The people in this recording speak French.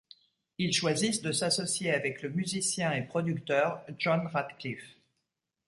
Ils choisissent de s'associer avec le musicien et producteur John Ratcliff.